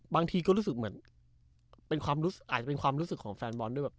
บางทีก็รู้สึกเหมือนเป็นความรู้สึกอาจจะเป็นความรู้สึกของแฟนบอลด้วยแบบ